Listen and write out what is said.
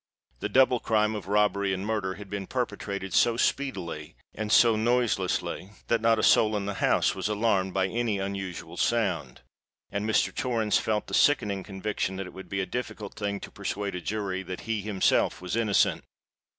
The double crime of robbery and murder, had been perpetrated so speedily and so noiselessly, that not a soul in the house was alarmed by any unusual sound—and Mr. Torrens felt the sickening conviction that it would be a difficult thing to persuade a jury that he himself was innocent!